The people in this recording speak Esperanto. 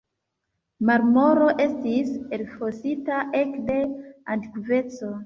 Marmoro estis elfosita ekde antikveco.